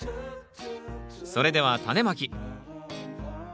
それではタネまき。